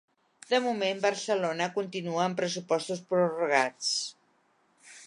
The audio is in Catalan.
De moment Barcelona continua amb pressupostos prorrogats.